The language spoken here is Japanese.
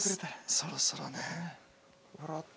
そろそろね。